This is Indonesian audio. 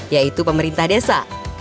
yaitu pemerintah desa